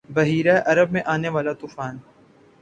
بحیرہ عرب میں آنے والا ’طوفان